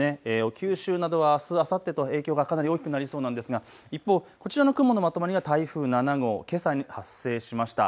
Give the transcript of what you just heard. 九州などはあす、あさってと影響がかなり大きくなりそうなんですが、一方、こちらの雲のまとまりが台風７号、けさ発生しました。